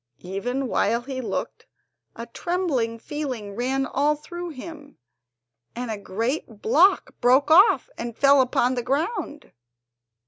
Even while he looked a trembling feeling ran all through him, and a great block broke off and fell upon the ground.